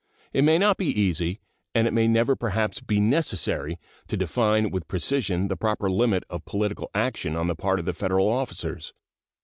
It may not be easy, and it may never perhaps be necessary, to define with precision the proper limit of political action on the part of Federal officers.